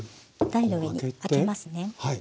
台の上にあけますね。